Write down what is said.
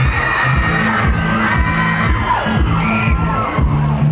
ไม่ต้องถามไม่ต้องถาม